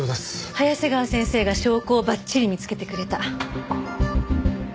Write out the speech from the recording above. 早瀬川先生が証拠をばっちり見つけてくれた。